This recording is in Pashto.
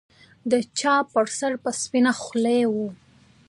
د چا پر سر به سپينه خولۍ وه.